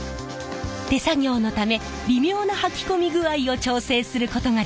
手作業のため微妙なはき込み具合を調整することができるんです。